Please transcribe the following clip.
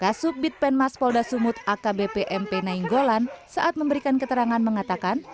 kasub bit penmas polda sumut akbp mp nainggolan saat memberikan keterangan mengatakan